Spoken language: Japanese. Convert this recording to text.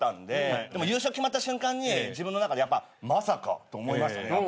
でも優勝決まった瞬間に自分の中でやっぱまさか！？と思いましたね。